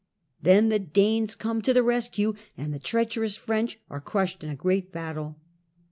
Then the Danes come to the rescue, and the treacherous French are crushed in a great battle.